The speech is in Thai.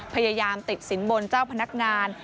พยายามติดสินบนเจ้าพนักงาน